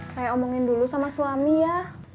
saya omongin dulu sama suami ya